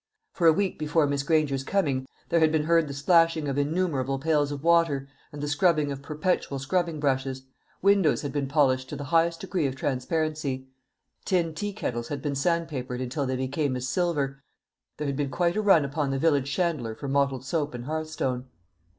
For a week before Miss Granger's coming there had been heard the splashing of innumerable pails of water, and the scrubbing of perpetual scrubbing brushes; windows had been polished to the highest degree of transparency; tin tea kettles had been sandpapered until they became as silver; there had been quite a run upon the village chandler for mottled soap and hearthstone.